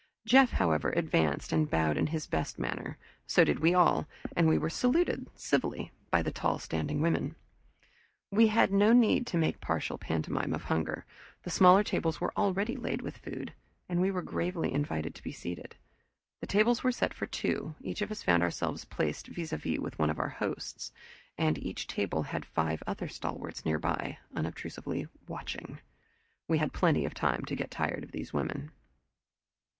Jeff, however, advanced and bowed in his best manner; so did we all, and we were saluted civilly by the tall standing women. We had no need to make pathetic pantomime of hunger; the smaller tables were already laid with food, and we were gravely invited to be seated. The tables were set for two; each of us found ourselves placed vis a vis with one of our hosts, and each table had five other stalwarts nearby, unobtrusively watching. We had plenty of time to get tired of those women!